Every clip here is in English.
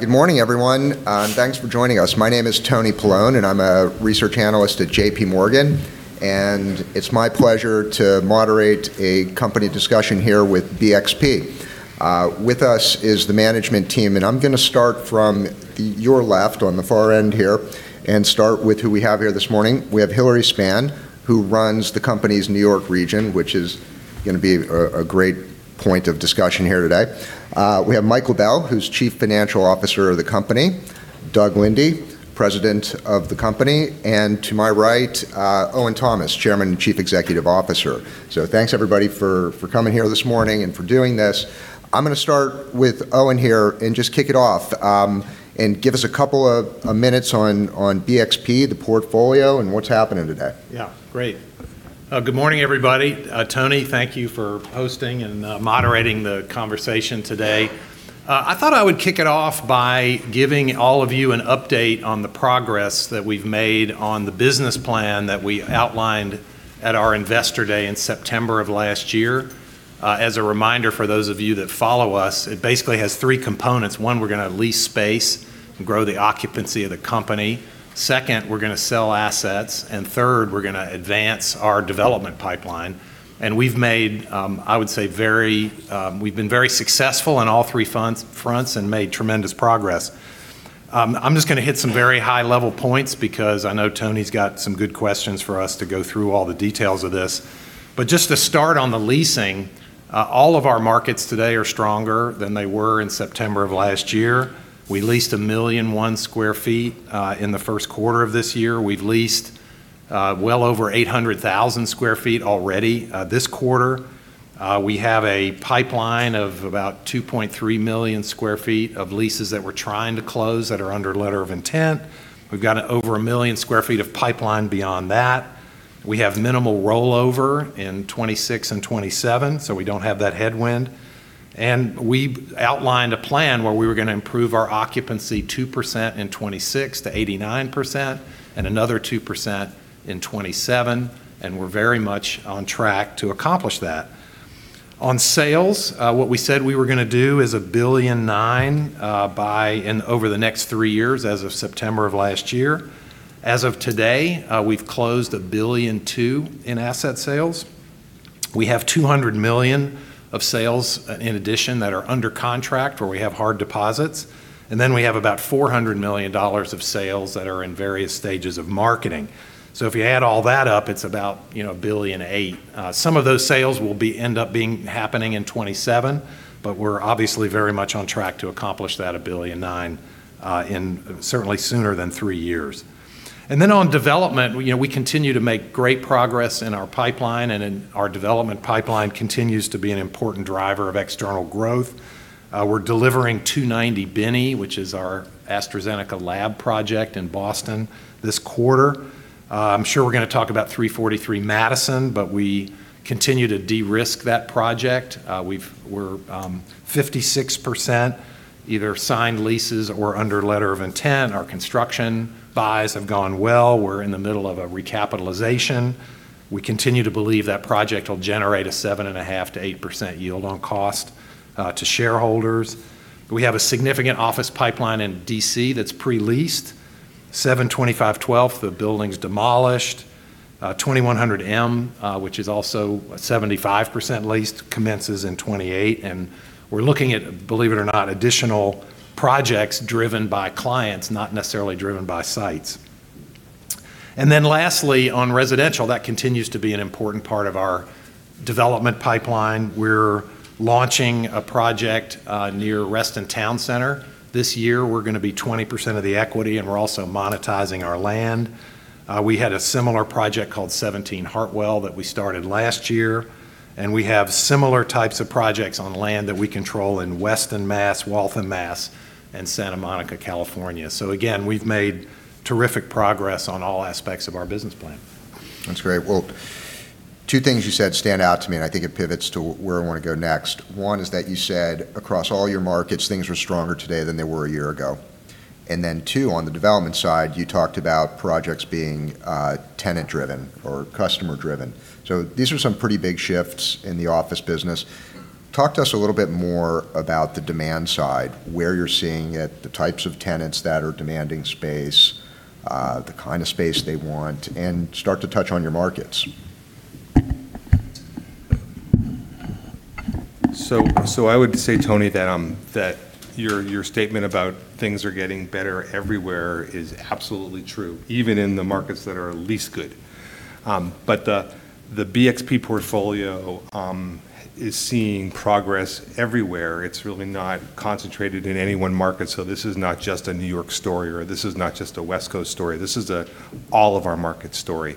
Good morning, everyone. Thanks for joining us. My name is Tony Paolone. I'm a Research Analyst at JPMorgan. It's my pleasure to moderate a company discussion here with BXP. With us is the management team. I'm going to start from your left on the far end here and start with who we have here this morning. We have Hilary Spann, who runs the company's New York region, which is going to be a great point of discussion here today. We have Mike LaBelle, who's Chief Financial Officer of the company, Doug Linde, President of the company. To my right, Owen Thomas, Chairman and Chief Executive Officer. Thanks everybody for coming here this morning and for doing this. I'm going to start with Owen here. Just kick it off. Give us a couple of minutes on BXP, the portfolio, and what's happening today. Yeah. Great. Good morning, everybody. Tony, thank you for hosting and moderating the conversation today. I thought I would kick it off by giving all of you an update on the progress that we've made on the business plan that we outlined at our Investor Day in September of last year. As a reminder for those of you that follow us, it basically has three components. One, we're going to lease space and grow the occupancy of the company. Second, we're going to sell assets. Third, we're going to advance our development pipeline. We've been very successful on all three fronts and made tremendous progress. I'm just going to hit some very high-level points because I know Tony's got some good questions for us to go through all the details of this. Just to start on the leasing, all of our markets today are stronger than they were in September of last year. We leased 1.1 million square feet in the first quarter of this year. We've leased well over 800,000 sq ft already this quarter. We have a pipeline of about 2.3 million square feet of leases that we're trying to close that are under letter of intent. We've got over 1 million square feet of pipeline beyond that. We have minimal rollover in 2026 and 2027, we don't have that headwind. We outlined a plan where we were going to improve our occupancy 2% in 2026 to 89%, and another 2% in 2027, and we're very much on track to accomplish that. On sales, what we said we were going to do is $1.9 billion over the next three years as of September of last year. As of today, we've closed $1.2 billion in asset sales. We have $200 million of sales in addition that are under contract, where we have hard deposits. We have about $400 million of sales that are in various stages of marketing. If you add all that up, it's about $1.8 billion. Some of those sales will end up happening in 2027, we're obviously very much on track to accomplish that $1.9 billion, certainly sooner than three years. On development, we continue to make great progress in our pipeline, our development pipeline continues to be an important driver of external growth. We're delivering 290 Binney, which is our AstraZeneca lab project in Boston, this quarter. I'm sure we're going to talk about 343 Madison, we continue to de-risk that project. We're 56% either signed leases or under letter of intent. Our construction buys have gone well. We're in the middle of a recapitalization. We continue to believe that project will generate a 7.5%-8% yield on cost to shareholders. We have a significant office pipeline in D.C. that's pre-leased. 725 12th, the building's demolished. 2100 M, which is also 75% leased, commences in 2028. We're looking at, believe it or not, additional projects driven by clients, not necessarily driven by sites. Lastly, on residential, that continues to be an important part of our development pipeline. We're launching a project near Reston Town Center. This year, we're going to be 20% of the equity, and we're also monetizing our land. We had a similar project called 17 Hartwell that we started last year, and we have similar types of projects on land that we control in Weston, Mass., Waltham, Mass., and Santa Monica, California. Again, we've made terrific progress on all aspects of our business plan. That's great. Well, two things you said stand out to me, and I think it pivots to where I want to go next. One is that you said across all your markets, things are stronger today than they were a year ago. Two, on the development side, you talked about projects being tenant-driven or customer-driven. These are some pretty big shifts in the office business. Talk to us a little bit more about the demand side, where you're seeing it, the types of tenants that are demanding space, the kind of space they want, and start to touch on your markets. I would say, Tony, that your statement about things are getting better everywhere is absolutely true, even in the markets that are least good. The BXP portfolio is seeing progress everywhere. It's really not concentrated in any one market, so this is not just a New York story, or this is not just a West Coast story. This is an all of our markets story.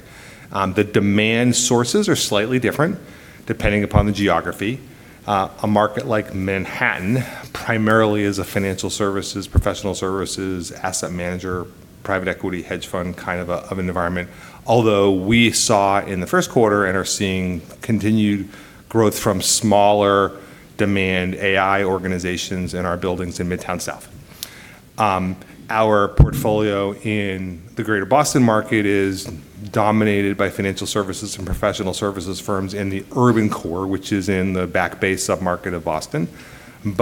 The demand sources are slightly different depending upon the geography. A market like Manhattan primarily is a financial services, professional services, asset manager, private equity, hedge fund kind of an environment. Although we saw in the first quarter and are seeing continued growth from smaller-demand AI organizations in our buildings in Midtown South. Our portfolio in the greater Boston market is dominated by financial services and professional services firms in the urban core, which is in the Back Bay sub-market of Boston. In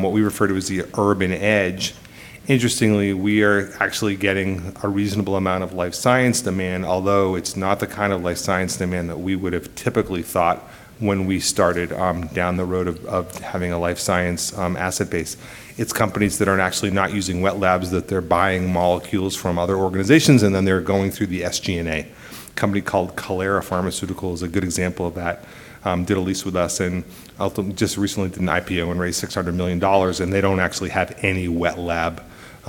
what we refer to as the urban edge, interestingly, we are actually getting a reasonable amount of life science demand, although it's not the kind of life science demand that we would have typically thought when we started down the road of having a life science asset base. It's companies that aren't actually not using wet labs, that they're buying molecules from other organizations, and then they're going through the SG&A. A company called Kailera Therapeutics is a good example of that. Did a lease with us and just recently did an IPO and raised $600 million, and they don't actually have any wet lab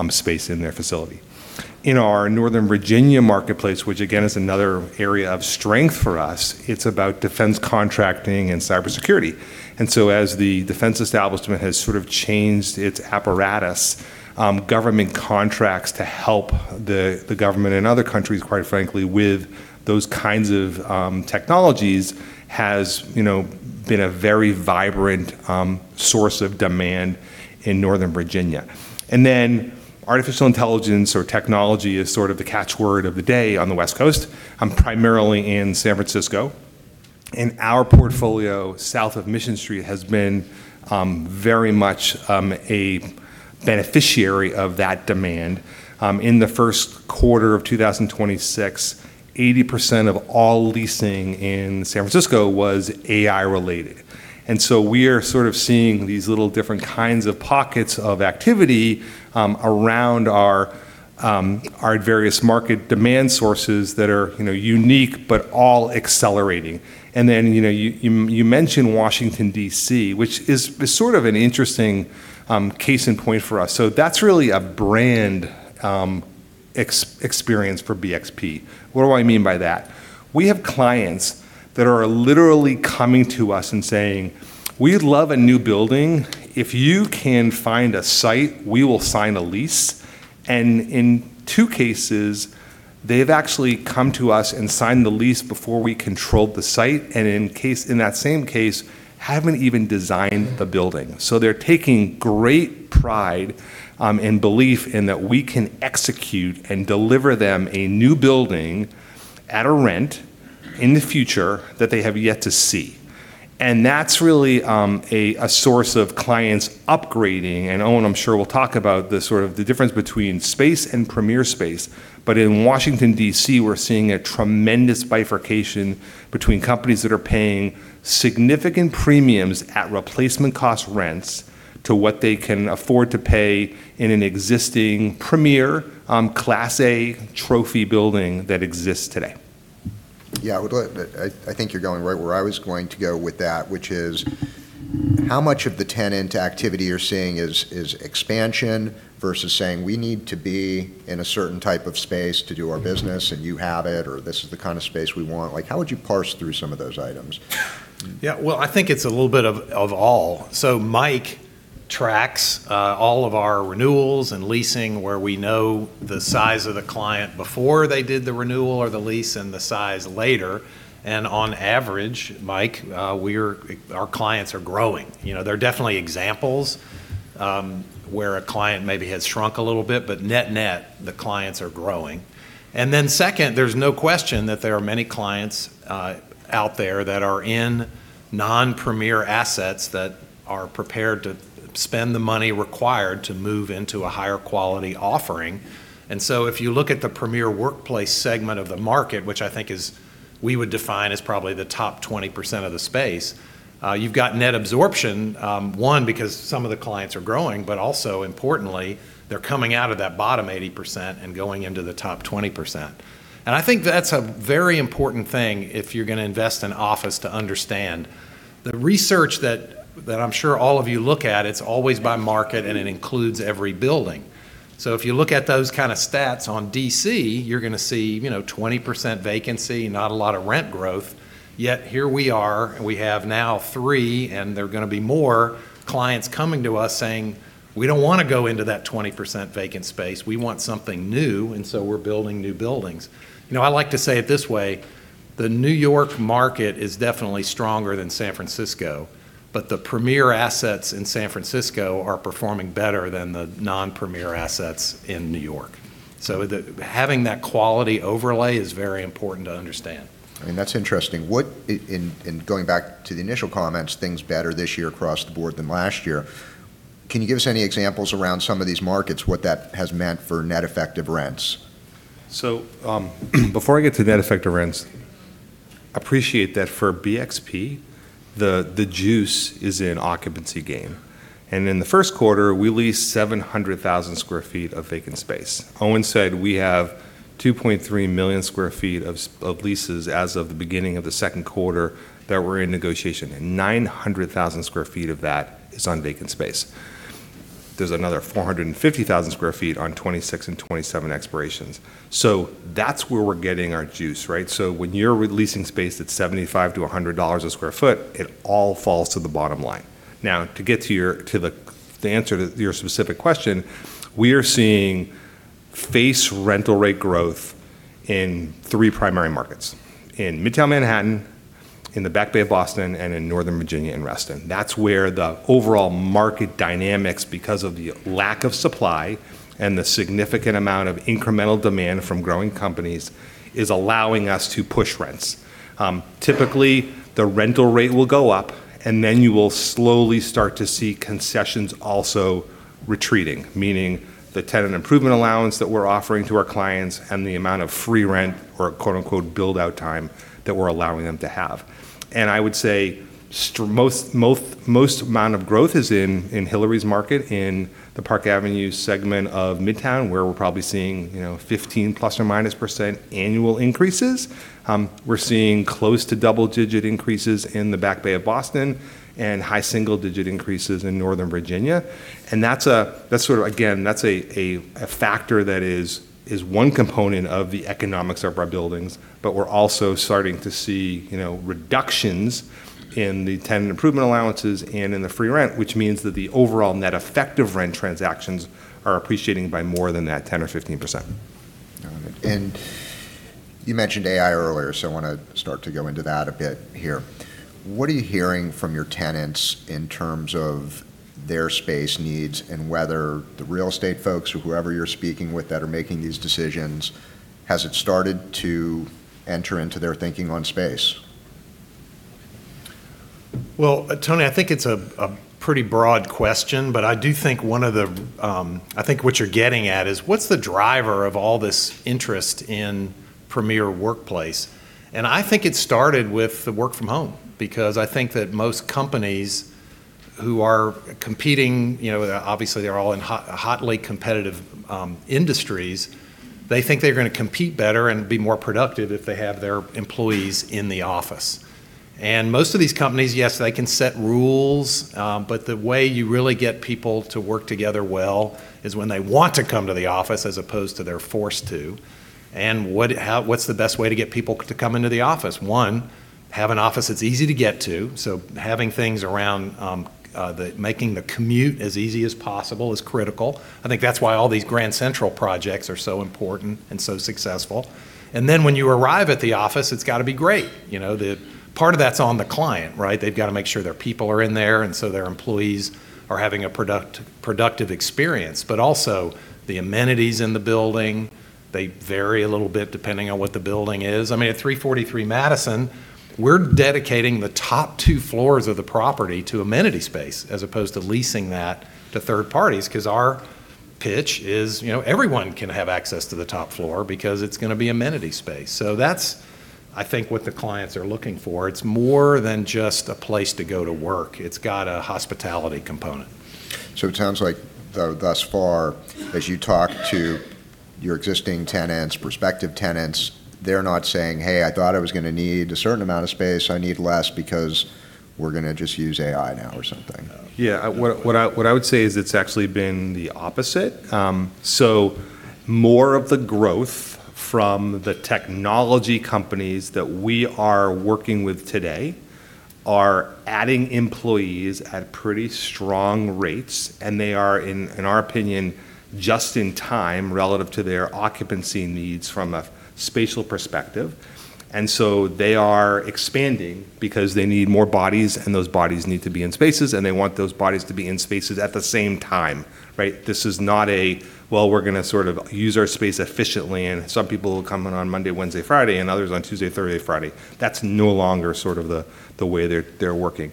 space in their facility. In our Northern Virginia marketplace, which again is another area of strength for us, it's about defense contracting and cybersecurity. As the defense establishment has sort of changed its apparatus, government contracts to help the government and other countries, quite frankly, with those kinds of technologies has been a very vibrant source of demand in Northern Virginia. Artificial intelligence or technology is sort of the catchword of the day on the West Coast, primarily in San Francisco. Our portfolio south of Mission Street has been very much a beneficiary of that demand. In the first quarter of 2026, 80% of all leasing in San Francisco was AI related. We are sort of seeing these little different kinds of pockets of activity around our various market demand sources that are unique, but all accelerating. You mentioned Washington, D.C., which is sort of an interesting case in point for us. That's really a brand experience for BXP. What do I mean by that? We have clients that are literally coming to us and saying, "We'd love a new building. If you can find a site, we will sign a lease." In two cases, they've actually come to us and signed the lease before we controlled the site, in that same case, haven't even designed the building. They're taking great pride and belief in that we can execute and deliver them a new building at a rent in the future that they have yet to see. That's really a source of clients upgrading. Owen, I'm sure, will talk about the sort of the difference between space and premier space. In Washington, D.C., we're seeing a tremendous bifurcation between companies that are paying significant premiums at replacement cost rents to what they can afford to pay in an existing premier Class A trophy building that exists today. Yeah, I think you're going right where I was going to go with that, which is how much of the tenant activity you're seeing is expansion versus saying, "We need to be in a certain type of space to do our business, and you have it," or "This is the kind of space we want." How would you parse through some of those items? Yeah. Well, I think it's a little bit of all. Mike tracks all of our renewals and leasing where we know the size of the client before they did the renewal or the lease and the size later. On average, Mike, our clients are growing. There are definitely examples where a client maybe has shrunk a little bit, but net-net, the clients are growing. Second, there's no question that there are many clients out there that are in non-premier assets that are prepared to spend the money required to move into a higher quality offering. If you look at the premier workplace segment of the market, which I think we would define as probably the top 20% of the space, you've got net absorption, one, because some of the clients are growing, but also importantly, they're coming out of that bottom 80% and going into the top 20%. I think that's a very important thing if you're going to invest in office to understand. The research that I'm sure all of you look at, it's always by market, and it includes every building. If you look at those kind of stats on D.C., you're going to see 20% vacancy, not a lot of rent growth. Yet here we are, and we have now three, and there are going to be more clients coming to us saying, "We don't want to go into that 20% vacant space. We want something new." We're building new buildings. I like to say it this way. The New York market is definitely stronger than San Francisco, but the premier assets in San Francisco are performing better than the non-premier assets in New York. Having that quality overlay is very important to understand. That's interesting. Going back to the initial comments, things better this year across the board than last year, can you give us any examples around some of these markets, what that has meant for net effective rents? Before I get to net effective rents, appreciate that for BXP, the juice is in occupancy gain, and in the first quarter, we leased 700,000 sq ft of vacant space. Owen said we have 2.3 million square feet of leases as of the beginning of the second quarter that we're in negotiation, and 900,000 sq ft of that is on vacant space. There's another 450,000 sq ft on 2026 and 2027 expirations. That's where we're getting our juice, right? When you're leasing space that's $75-$100 a square foot, it all falls to the bottom line. To get to the answer to your specific question, we are seeing phased rental rate growth in three primary markets: in Midtown Manhattan, in the Back Bay of Boston, and in Northern Virginia in Reston. That's where the overall market dynamics, because of the lack of supply and the significant amount of incremental demand from growing companies, is allowing us to push rents. Typically, the rental rate will go up, you will slowly start to see concessions also retreating. Meaning the tenant improvement allowance that we're offering to our clients and the amount of free rent or "build-out time" that we're allowing them to have. I would say, most amount of growth is in Hilary's market, in the Park Avenue segment of Midtown, where we're probably seeing ±15% annual increases. We're seeing close to double-digit increases in the Back Bay of Boston and high single-digit increases in Northern Virginia. Again, that's a factor that is one component of the economics of our buildings. We're also starting to see reductions in the tenant improvement allowances and in the free rent, which means that the overall net effective rent transactions are appreciating by more than that 10% or 15%. Got it. You mentioned AI earlier, I want to start to go into that a bit here. What are you hearing from your tenants in terms of their space needs and whether the real estate folks or whoever you're speaking with that are making these decisions, has it started to enter into their thinking on space? Well, Tony, I think it's a pretty broad question, but I think what you're getting at is what's the driver of all this interest in premier workplace? I think it started with the work from home, because I think that most companies who are competing, obviously they're all in hotly competitive industries. They think they're going to compete better and be more productive if they have their employees in the office. Most of these companies, yes, they can set rules. The way you really get people to work together well is when they want to come to the office as opposed to they're forced to. What's the best way to get people to come into the office? One, have an office that's easy to get to. Having things around making the commute as easy as possible is critical. I think that's why all these Grand Central projects are so important and so successful. When you arrive at the office, it's got to be great. Part of that's on the client, right? They've got to make sure their people are in there, their employees are having a productive experience. Also, the amenities in the building, they vary a little bit depending on what the building is. At 343 Madison, we're dedicating the top two floors of the property to amenity space as opposed to leasing that to third parties because our pitch is everyone can have access to the top floor because it's going to be amenity space. That's, I think, what the clients are looking for. It's more than just a place to go to work. It's got a hospitality component. It sounds like thus far, as you talk to your existing tenants, prospective tenants, they're not saying, 'Hey, I thought I was going to need a certain amount of space. I need less because we're going to just use AI now or something.' Yeah. What I would say is it's actually been the opposite. More of the growth from the technology companies that we are working with today are adding employees at pretty strong rates, and they are, in our opinion, just in time relative to their occupancy needs from a spatial perspective. They are expanding because they need more bodies, and those bodies need to be in spaces, and they want those bodies to be in spaces at the same time, right? This is not a, well, we're going to sort of use our space efficiently, and some people will come in on Monday, Wednesday, Friday, and others on Tuesday, Thursday, Friday. That's no longer sort of the way they're working.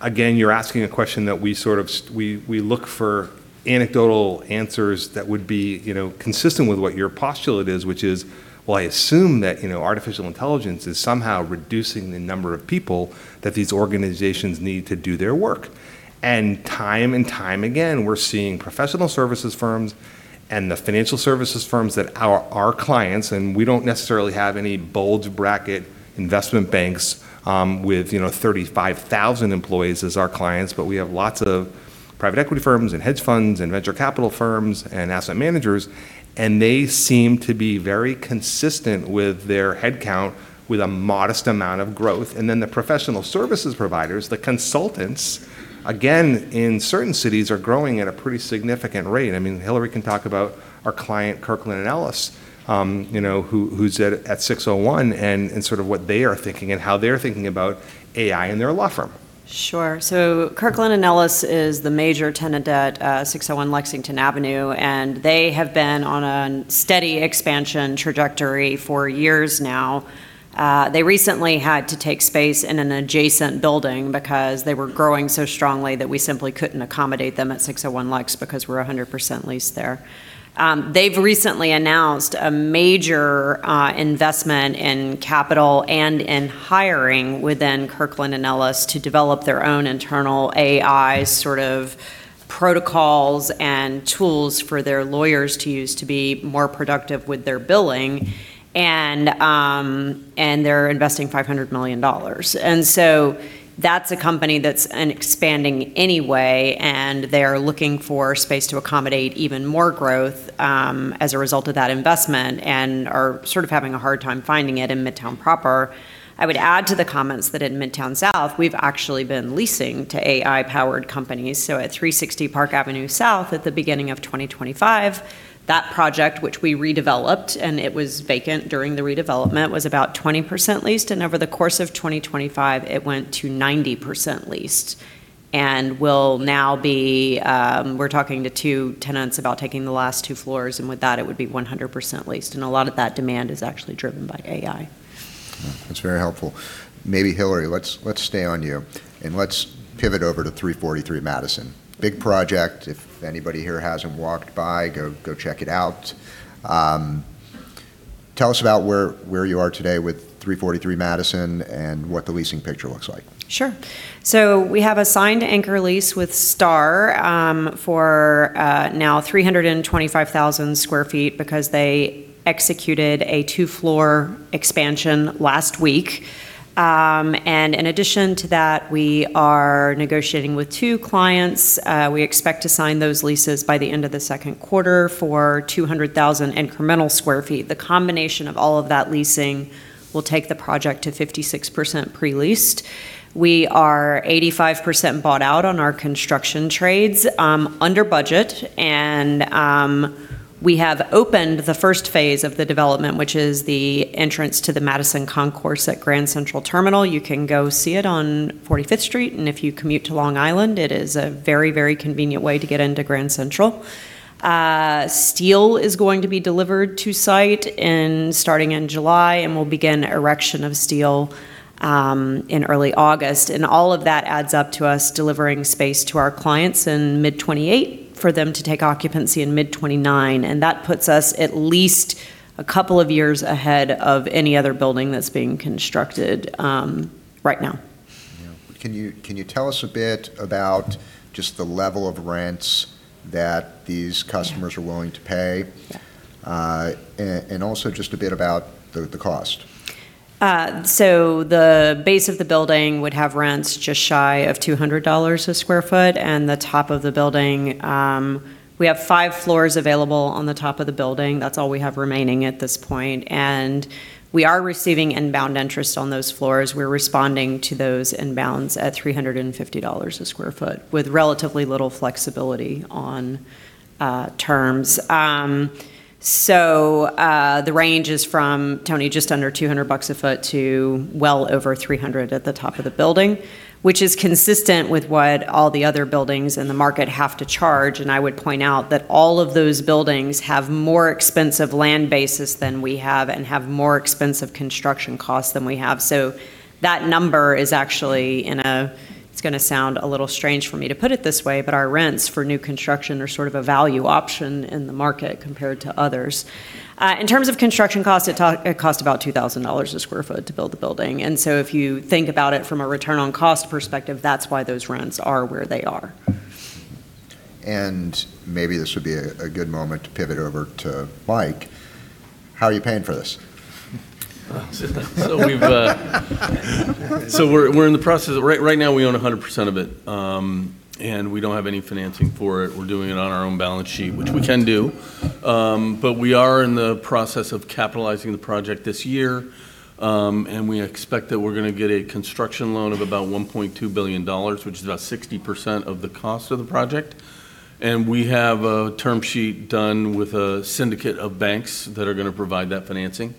Again, you're asking a question that we look for anecdotal answers that would be consistent with what your postulate is, which is, well, I assume that artificial intelligence is somehow reducing the number of people that these organizations need to do their work. Time and time again, we're seeing professional services firms and the financial services firms that are our clients, and we don't necessarily have any bulge bracket investment banks with 35,000 employees as our clients. We have lots of private equity firms and hedge funds and venture capital firms and asset managers. They seem to be very consistent with their headcount, with a modest amount of growth. The professional services providers, the consultants, again, in certain cities, are growing at a pretty significant rate. Hilary can talk about our client, Kirkland & Ellis, who's at 601, and sort of what they are thinking and how they're thinking about AI in their law firm. Sure. Kirkland & Ellis is the major tenant at 601 Lexington Avenue, and they have been on a steady expansion trajectory for years now. They recently had to take space in an adjacent building because they were growing so strongly that we simply couldn't accommodate them at 601 Lex because we're 100% leased there. They've recently announced a major investment in capital and in hiring within Kirkland & Ellis to develop their own internal AI sort of protocols and tools for their lawyers to use to be more productive with their billing. They're investing $500 million. That's a company that's expanding anyway, and they are looking for space to accommodate even more growth as a result of that investment and are sort of having a hard time finding it in Midtown proper. I would add to the comments that in Midtown South, we've actually been leasing to AI-powered companies. At 360 Park Avenue South at the beginning of 2025, that project, which we redeveloped and it was vacant during the redevelopment, was about 20% leased. Over the course of 2025, it went to 90% leased. We're talking to two tenants about taking the last two floors, and with that, it would be 100% leased. A lot of that demand is actually driven by AI. That's very helpful. Maybe Hilary, let's stay on you, and let's pivot over to 343 Madison. Big project. If anybody here hasn't walked by, go check it out. Tell us about where you are today with 343 Madison and what the leasing picture looks like. Sure. We have a signed anchor lease with Starr for now 325,000 sq ft because they executed a two-floor expansion last week. In addition to that, we are negotiating with two clients. We expect to sign those leases by the end of the second quarter for 200,000 incremental square feet. The combination of all of that leasing will take the project to 56% pre-leased. We are 85% bought out on our construction trades under budget, and we have opened the first phase of the development, which is the entrance to the Madison Concourse at Grand Central Terminal. You can go see it on 45th Street, and if you commute to Long Island, it is a very, very convenient way to get into Grand Central. Steel is going to be delivered to site starting in July, and we'll begin erection of steel in early August. All of that adds up to us delivering space to our clients in mid 2028 for them to take occupancy in mid 2029. That puts us at least a couple of years ahead of any other building that's being constructed right now. Yeah. Can you tell us a bit about just the level of rents that these customers are willing to pay? Yeah. Also just a bit about the cost. The base of the building would have rents just shy of $200 a square foot, and the top of the building, we have five floors available on the top of the building. That's all we have remaining at this point. We are receiving inbound interest on those floors. We're responding to those inbounds at $350 a square foot with relatively little flexibility on terms. The range is from, Tony, just under $200 a foot to well over $300 at the top of the building, which is consistent with what all the other buildings in the market have to charge. I would point out that all of those buildings have more expensive land bases than we have and have more expensive construction costs than we have. That number is actually. It's going to sound a little strange for me to put it this way, but our rents for new construction are sort of a value option in the market compared to others. In terms of construction cost, it costs about $2,000 a sq ft to build a building. If you think about it from a return on cost perspective, that's why those rents are where they are. Maybe this would be a good moment to pivot over to Mike. How are you paying for this? Right now, we own 100% of it, and we don't have any financing for it. We're doing it on our own balance sheet, which we can do. We are in the process of capitalizing the project this year. We expect that we're going to get a construction loan of about $1.2 billion, which is about 60% of the cost of the project. We have a term sheet done with a syndicate of banks that are going to provide that financing,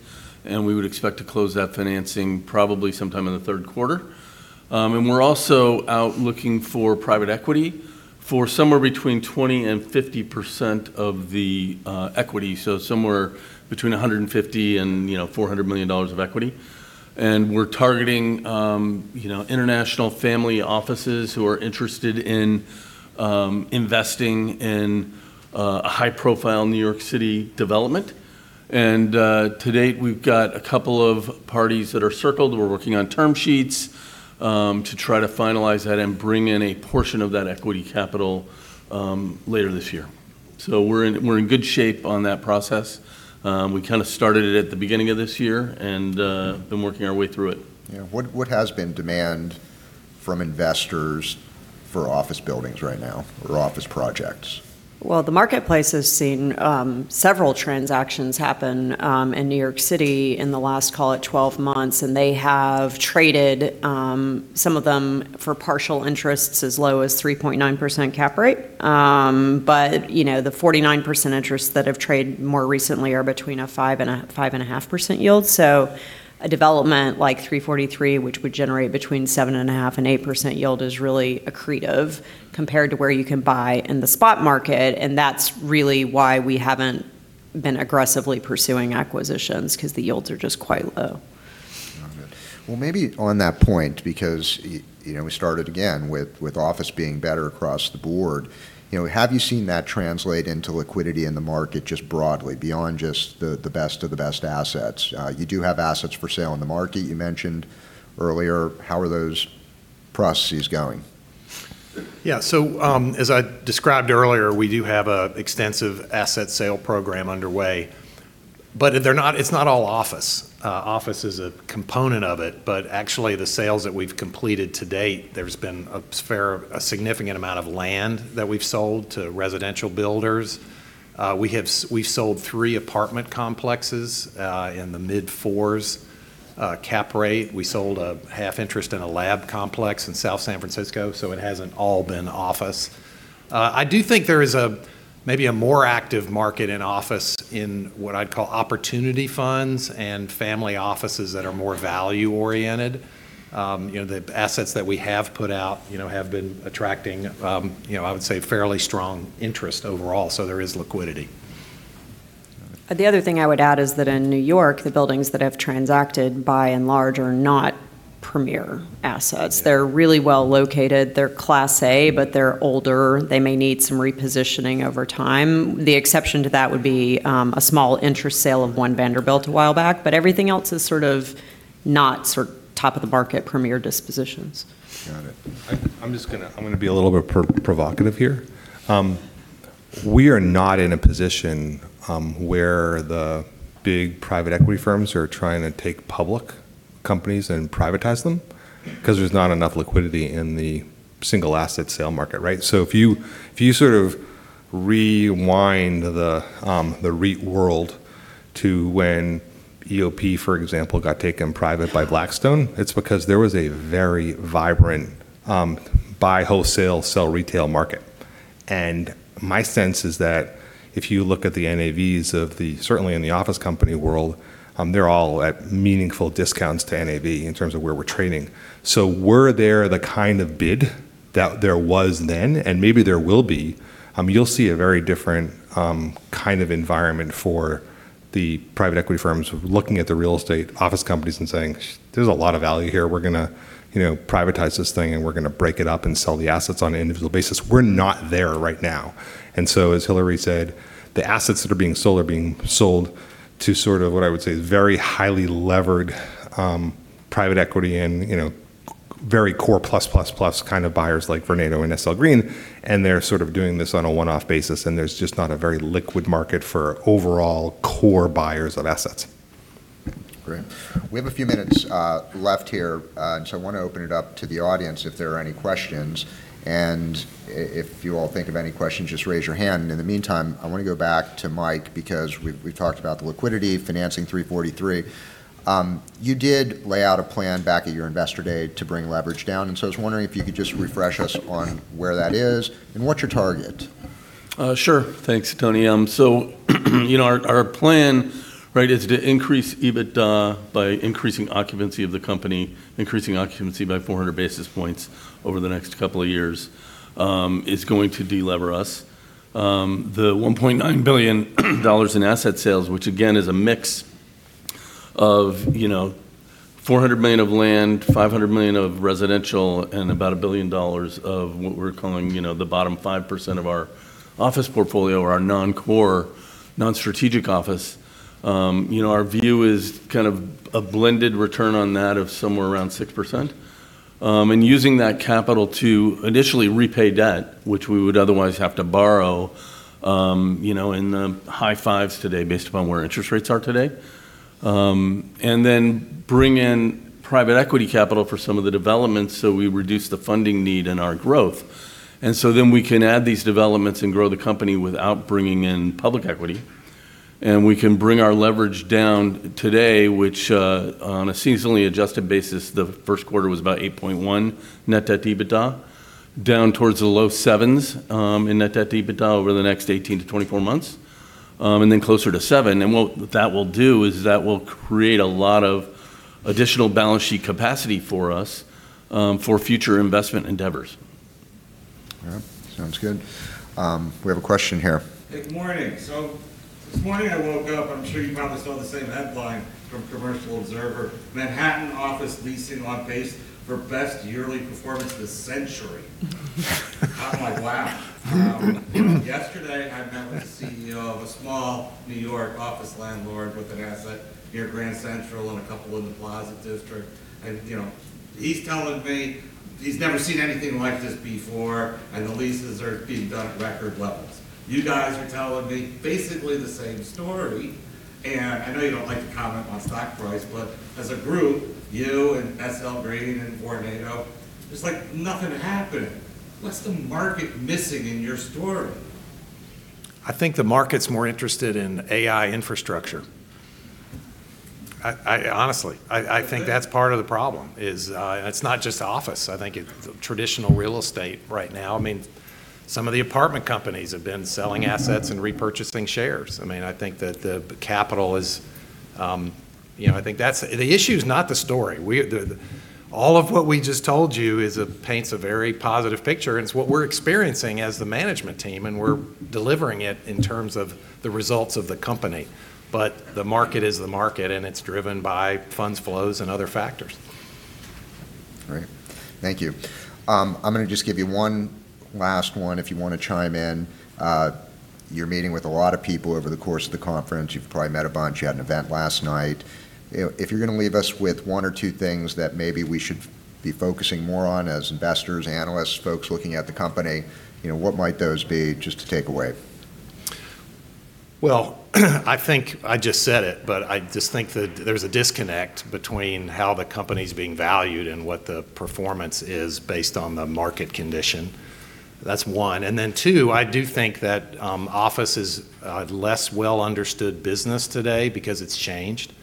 and we would expect to close that financing probably sometime in the third quarter. We're also out looking for private equity for somewhere between 20% and 50% of the equity, so somewhere between $150 million and $400 million of equity. We're targeting international family offices who are interested in investing in a high-profile New York City development. To date, we've got a couple of parties that are circled. We're working on term sheets to try to finalize that and bring in a portion of that equity capital later this year. We're in good shape on that process. We kind of started it at the beginning of this year and been working our way through it. Yeah. What has been demand from investors for office buildings right now or office projects? The marketplace has seen several transactions happen in New York City in the last, call it 12 months, and they have traded some of them for partial interests as low as 3.9% cap rate. The 49% interests that have traded more recently are between a 5%-5.5% yield. A development like 343, which would generate between 7.5%-8% yield is really accretive compared to where you can buy in the spot market, and that's really why we haven't been aggressively pursuing acquisitions because the yields are just quite low. Maybe on that point, because we started again with office being better across the board. Have you seen that translate into liquidity in the market just broadly beyond just the best-of-the-best assets? You do have assets for sale in the market you mentioned earlier. How are those processes going? Yeah. As I described earlier, we do have an extensive asset sale program underway. It's not all office. Office is a component of it. Actually, the sales that we've completed to date, there's been a significant amount of land that we've sold to residential builders. We've sold three apartment complexes in the mid-4s cap rate. We sold a half interest in a lab complex in South San Francisco. It hasn't all been office. I do think there is maybe a more active market in office in what I'd call opportunity funds and family offices that are more value oriented. The assets that we have put out have been attracting I would say fairly strong interest overall. There is liquidity. The other thing I would add is that in New York, the buildings that have transacted by and large are not premier assets. They're really well located, they're Class A, but they're older. They may need some repositioning over time. The exception to that would be a small interest sale of One Vanderbilt a while back, but everything else is sort of not sort of top of the market premier dispositions. Got it. I'm going to be a little bit provocative here. We are not in a position where the big private equity firms are trying to take public companies and privatize them because there's not enough liquidity in the single asset sale market, right? If you sort of rewind the REIT world to when EOP, for example, got taken private by Blackstone, it's because there was a very vibrant buy wholesale, sell retail market. My sense is that if you look at the NAVs of the, certainly in the office company world, they're all at meaningful discounts to NAV in terms of where we're trading. Were there the kind of bid that there was then, and maybe there will be, you'll see a very different kind of environment for the private equity firms looking at the real estate office companies and saying, "There's a lot of value here. We're going to privatize this thing, and we're going to break it up and sell the assets on an individual basis." We're not there right now. As Hilary said, the assets that are being sold are being sold to sort of what I would say is very highly levered private equity and very core plus plus plus kind of buyers like Vornado and SL Green, and they're sort of doing this on a one-off basis, and there's just not a very liquid market for overall core buyers of assets. Great. We have a few minutes left here. I want to open it up to the audience if there are any questions. If you all think of any questions, just raise your hand. In the meantime, I want to go back to Mike because we've talked about the liquidity financing 343. You did lay out a plan back at your Investor Day to bring leverage down. I was wondering if you could just refresh us on where that is and what's your target? Sure. Thanks, Tony. Our plan is to increase EBITDA by increasing occupancy of the company, increasing occupancy by 400 basis points over the next couple of years, is going to delever us. The $1.9 billion in asset sales, which again is a mix of $400 million of land, $500 million of residential, and about $1 billion of what we're calling the bottom 5% of our office portfolio or our non-core, non-strategic office. Our view is kind of a blended return on that of somewhere around 6%. Using that capital to initially repay debt, which we would otherwise have to borrow, in the high 5s today based upon where interest rates are today. Bring in private equity capital for some of the developments so we reduce the funding need in our growth. We can add these developments and grow the company without bringing in public equity. We can bring our leverage down today, which on a seasonally adjusted basis, the first quarter was about 8.1 net debt EBITDA down towards the low 7s in net debt EBITDA over the next 18-24 months, and then closer to seven. What that will do is that will create a lot of additional balance sheet capacity for us, for future investment endeavors. All right. Sounds good. We have a question here. Good morning. This morning I woke up, I'm sure you probably saw the same headline from Commercial Observer, Manhattan office leasing on pace for best yearly performance of the century. I'm like, wow. Yesterday I met with the CEO of a small New York office landlord with an asset near Grand Central and a couple in the Plaza District, and he's telling me he's never seen anything like this before and the leases are being done at record levels. You guys are telling me basically the same story. I know you don't like to comment on stock price, but as a group, you and SL Green and Vornado, it's like nothing happened. What's the market missing in your story? I think the market's more interested in AI infrastructure. Honestly, I think that's part of the problem is it's not just office. I think it's traditional real estate right now. Some of the apartment companies have been selling assets and repurchasing shares. I think that the capital the issue is not the story. All of what we just told you paints a very positive picture, and it's what we're experiencing as the management team, and we're delivering it in terms of the results of the company. The market is the market, and it's driven by funds flows and other factors. Great. Thank you. I'm going to just give you one last one if you want to chime in. You're meeting with a lot of people over the course of the conference. You've probably met a bunch. You had an event last night. If you're going to leave us with one or two things that maybe we should be focusing more on as investors, analysts, folks looking at the company, what might those be just to take away? Well, I think I just said it, I just think that there's a disconnect between how the company's being valued and what the performance is based on the market condition. That's one. Two, I do think that office is a less well-understood business today because it's changed.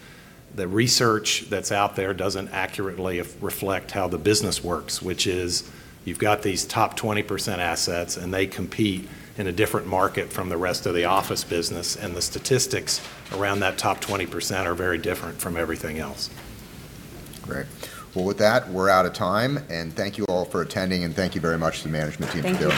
The research that's out there doesn't accurately reflect how the business works, which is you've got these top 20% assets, and they compete in a different market from the rest of the office business, and the statistics around that top 20% are very different from everything else. Great. Well, with that, we're out of time, and thank you all for attending and thank you very much to the management team.